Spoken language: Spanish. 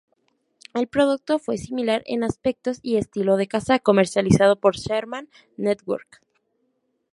El producto fue similar en aspecto y estilo de Kazaa, comercializado por Sharman Networks.